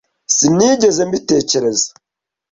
Sinigeze mbitekereza.